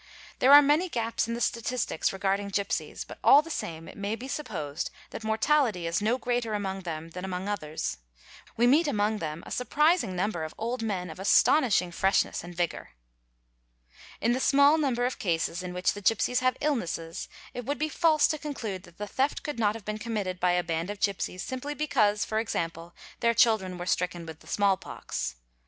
There are many gaps in the statistics regarding gipsies but all the same it may be supposed that mortality is no greater among them ; than among others. We meet among them a surprising number of old men of astonishing freshness and vigour. In the small number of cases in which the gipsies have illnesses, it ~ would be false to conclude that the theft could not have been committed by a band of gipsies simply because, for example, their children were stricken with the small pox.